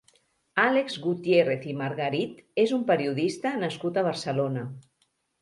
Àlex Gutiérrez i Margarit és un periodista nascut a Barcelona.